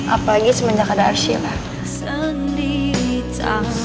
apalagi semenjak ada arshila